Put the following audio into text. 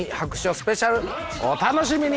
スペシャルお楽しみに。